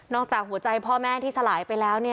จากหัวใจพ่อแม่ที่สลายไปแล้ว